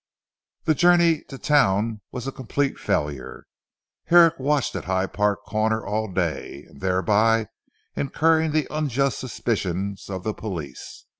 The journey to town was a complete failure. Herrick watched at Hyde Park Corner all day, and thereby incurred the unjust suspicions of the police.